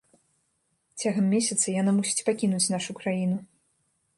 Цягам месяца яна мусіць пакінуць нашу краіну.